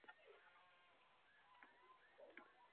Qondek qizargan tok barglari ohista chayqaladi.